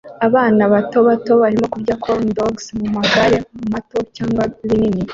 Abana bato bato barimo kurya corndogs mumagare mato cyangwa binini